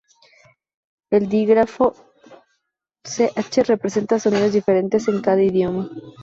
El dígrafo ch representa sonidos diferentes en cada idioma.